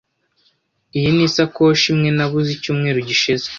Iyi ni isakoshi imwe nabuze icyumweru gishize.